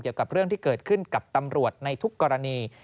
เกี่ยวกับเรื่องที่เกิดขึ้นกับตำรวจในทุกกรณี